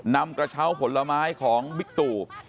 นำกระเช้าผลไม้ของบิ๊กตู่